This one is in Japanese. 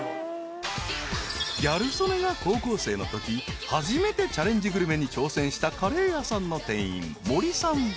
［ギャル曽根が高校生のとき初めてチャレンジグルメに挑戦したカレー屋さんの店員森さん］